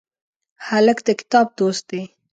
هلک د کتاب دوست دی.